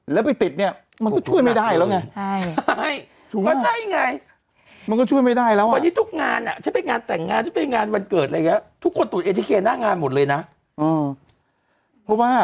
แต่ว่าสิ่งนึงเนี้ยคือแนะนำเลยคือ